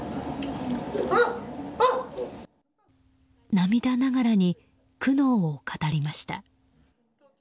涙ながらに苦悩を語りました。